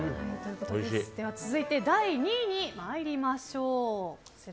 では続いて第２位に参りましょう。